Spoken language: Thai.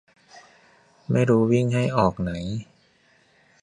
ไม่รู้วิ่งให้ออกไหน